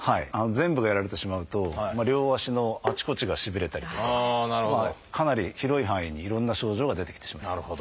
全部がやられてしまうと両足のあちこちがしびれたりとかかなり広い範囲にいろんな症状が出てきてしまう。